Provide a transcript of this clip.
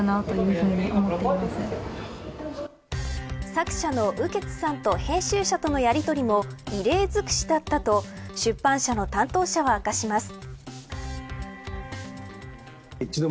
作者の雨穴さんと編集者とのやり取りも異例づくしだったと出版社の担当者は明かします。